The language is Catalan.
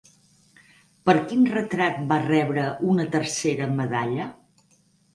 Per quin retrat va rebre una tercera medalla?